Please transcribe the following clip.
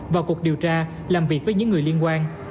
vào cuộc điều tra làm việc với những người liên quan